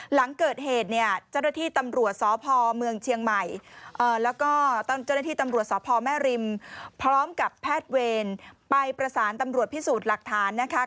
หลังเกิดเหตุเนี่ยเจ้าหน้าที่ตำรวจสพเมืองเชียงใหม่แล้วก็เจ้าหน้าที่ตำรวจสพแม่ริมพร้อมกับแพทย์เวรไปประสานตำรวจพิสูจน์หลักฐานนะคะ